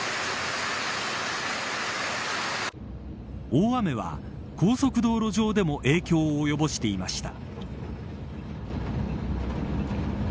大雨は高速道路上でも影響を及ぼしていました。